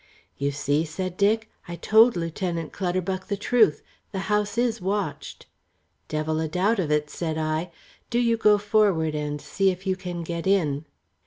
"You see," said Dick, "I told Lieutenant Clutterbuck the truth. The house is watched." "Devil a doubt of it," said I. "Do you go forward and see if you can get in."